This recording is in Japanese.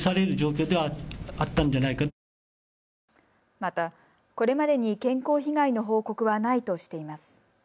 また、これまでに健康被害の報告はないとしています。